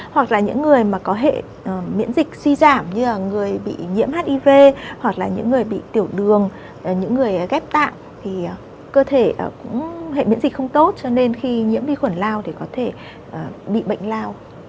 hoặc là những người mà có hệ miễn dịch suy giảm như là người bị nhiễm hiv hoặc là những người bị tiểu đường những người ghép tạng thì cơ thể cũng hệ miễn dịch không tốt cho nên khi nhiễm vi khuẩn lao thì có thể bị bệnh lao